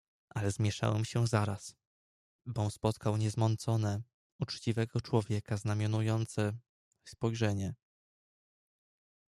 "Ale zmieszałem się zaraz, bom spotkał niezmącone, uczciwego człowieka znamionujące, spojrzenie."